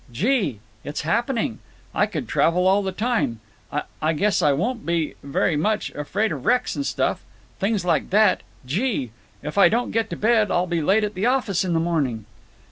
"Gee! It's happened. I could travel all the time. I guess I won't be—very much—afraid of wrecks and stuff. ... Things like that. ... Gee! If I don't get to bed I'll be late at the office in the morning!"